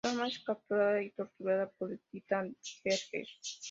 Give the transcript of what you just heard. Norma es capturada y torturada por el Titán Jerjes.